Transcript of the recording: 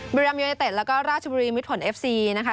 บริรัมดิกับยอเต็ดแล้วก็ราชบุรีมิถวนเอฟซีนะคะ